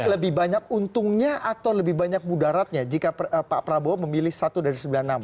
lebih banyak untungnya atau lebih banyak mudaratnya jika pak prabowo memilih satu dari sembilan nama